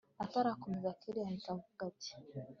atarakomeza kellia ahita avuga ati